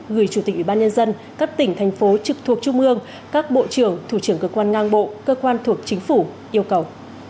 gửi chủ tịch ủy ban nhân dân các tỉnh thành phố trực thuộc trung ương các bộ trưởng thủ trưởng cơ quan ngang bộ cơ quan thuộc chính phủ yêu cầu